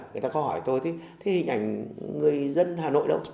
người ta có hỏi tôi thì hình ảnh người dân hà nội đâu